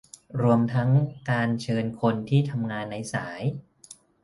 รวมทั้งการเชิญคนที่ทำงานในสาย